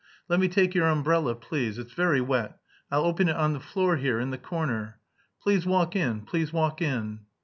"Let me take your umbrella, please. It's very wet; I'll open it on the floor here, in the corner. Please walk in. Please walk in."